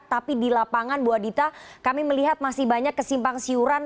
tapi di lapangan bu adita kami melihat masih banyak kesimpang siuran